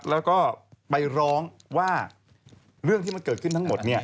แล้วก็ไปร้องว่าเรื่องที่มันเกิดขึ้นทั้งหมด